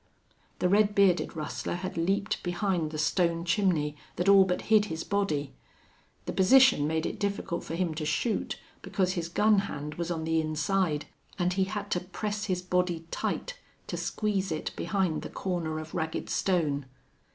The red bearded rustler had leaped behind the stone chimney that all but hid his body. The position made it difficult for him to shoot because his gun hand was on the inside, and he had to press his body tight to squeeze it behind the corner of ragged stone.